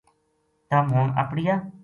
تم ہن اپڑیا